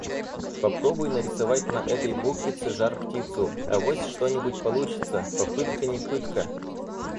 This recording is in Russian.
Попробуй нарисовать на этой буквице жар-птицу. Авось, что-нибудь получится! Попытка не пытка.